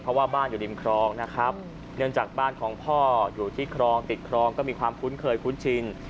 เพราะว่าบ้านอยู่ริมครองนะครับเนื่องจากบ้านของพ่ออยู่ที่ครองติดครองก็มีความคุ้นเคยคุ้นชิน